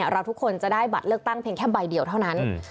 เราทุกคนจะได้บัตรเลือกตั้งเพียงแค่ใบเดียวเท่านั้น